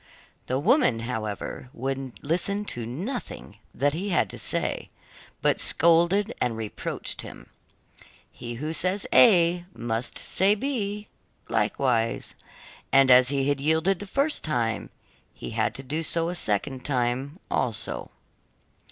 The woman, however, would listen to nothing that he had to say, but scolded and reproached him. He who says A must say B, likewise, and as he had yielded the first time, he had to do so a second time also.